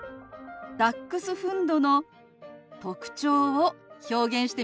ダックスフンドの特徴を表現してみます。